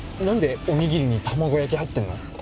何でおにぎりに卵焼き入ってんの？